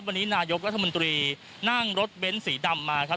วันนี้นายกรัฐมนตรีนั่งรถเบ้นสีดำมาครับ